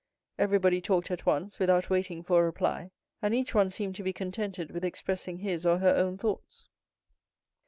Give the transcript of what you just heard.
Everybody talked at once, without waiting for a reply and each one seemed to be contented with expressing his or her own thoughts.